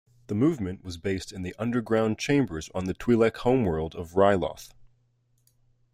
The movement was based in the underground chambers on the Twi'lek homeworld of Ryloth.